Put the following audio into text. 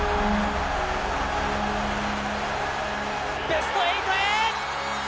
ベスト８へ！